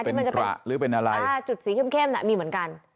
หรือเป็นกระหรือเป็นอะไรจุดสีเข้มมีเหมือนกัน